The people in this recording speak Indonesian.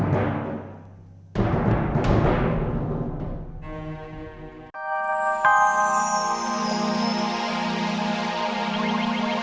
bapak aku urus sama gitu